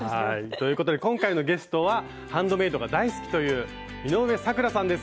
ということで今回のゲストはハンドメイドが大好きという井上咲楽さんです。